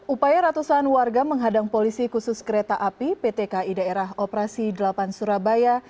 upaya ratusan warga menghadang polisi khusus kereta api pt ki daerah operasi delapan surabaya